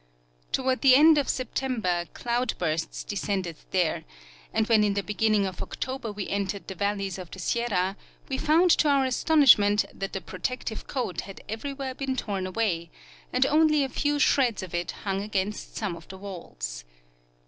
ToAvard the end of September cloud Deflation and Desert Varnish. 171 bursts descended there, and when in the beginning of October we entered the valleys of the Sierra, we found to our astonish ment that the protective coat had everywhere been torn away, and only a few shreds of it hung against some of the walls.